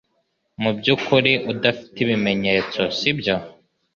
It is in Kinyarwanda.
Mubyukuri udafite ibimenyetso, sibyo?